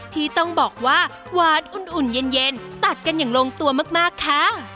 ที่ต้องบอกว่าหวานอุ่นเย็นตัดกันอย่างลงตัวมากค่ะ